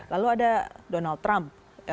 lalu ada donald trump